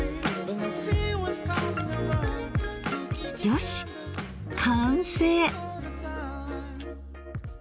よし完成。